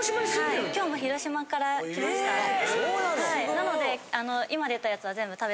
なので。